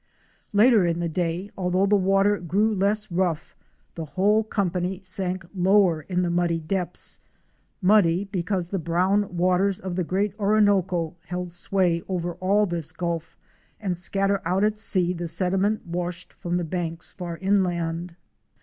Later in the day, although the water grew less rough, the whole company sank lower in the muddy depths — muddy, because the brown waters of the great Orinoco hold sway over all this gulf and scatter out at sea the sediment washed from the banks far inland.